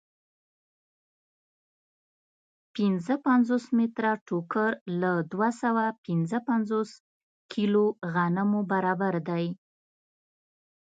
پنځه پنځوس متره ټوکر له دوه سوه پنځه پنځوس کیلو غنمو برابر دی